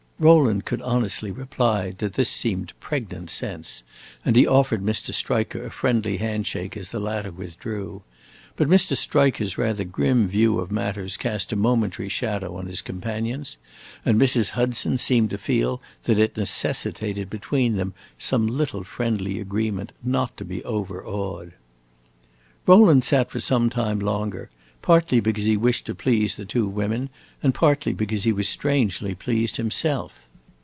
Rowland could honestly reply that this seemed pregnant sense, and he offered Mr. Striker a friendly hand shake as the latter withdrew. But Mr. Striker's rather grim view of matters cast a momentary shadow on his companions, and Mrs. Hudson seemed to feel that it necessitated between them some little friendly agreement not to be overawed. Rowland sat for some time longer, partly because he wished to please the two women and partly because he was strangely pleased himself.